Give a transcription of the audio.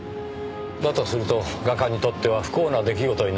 だとすると画家にとっては不幸な出来事になりますねぇ。